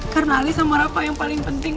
karena alih sama rafa yang paling penting